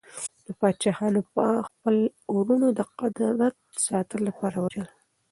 پادشاهانو به خپل وروڼه د قدرت ساتلو لپاره وژل.